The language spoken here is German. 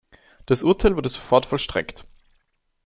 Das Urteil wurde sofort vollstreckt.